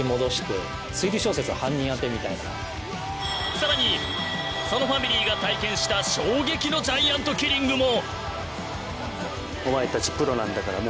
更に園ファミリーが体験した衝撃のジャイアントキリングも！